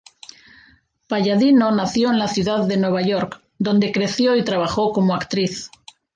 Palladino nació en la ciudad de Nueva York, donde creció y trabajó como actriz.